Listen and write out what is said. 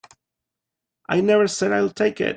I never said I'd take it.